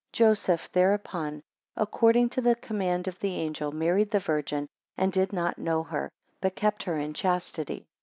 12 Joseph thereupon, according to the command of the angel, married the Virgin, and did not know her, but kept her in chastity.